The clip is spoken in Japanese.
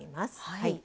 はい。